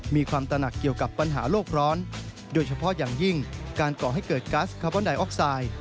ตระหนักเกี่ยวกับปัญหาโลกร้อนโดยเฉพาะอย่างยิ่งการก่อให้เกิดกัสคาร์บอนไดออกไซด์